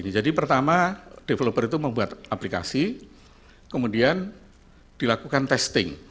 pertama developer itu membuat aplikasi kemudian dilakukan testing